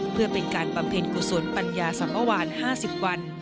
เพื่อเป็นการบำเพ็ญกุศลปัญญาสมวาน๕๐วัน